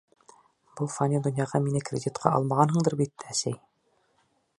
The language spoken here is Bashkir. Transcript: — Был фани донъяға мине кредитҡа алмағанһыңдыр бит, әсәй?